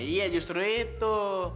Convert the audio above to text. iya justru itu